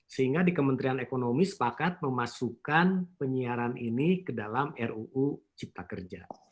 sehingga di kementerian ekonomi sepakat memasukkan penyiaran ini ke dalam ruu cipta kerja